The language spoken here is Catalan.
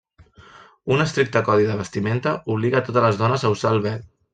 Un estricte codi de vestimenta obliga a totes les dones a usar el vel.